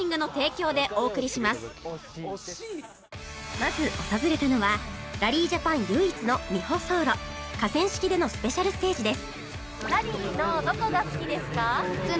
まず訪れたのはラリージャパン唯一の未舗装路河川敷でのスペシャルステージです